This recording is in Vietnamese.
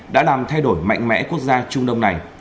đã làm thay đổi mạnh mẽ quốc gia trung đông này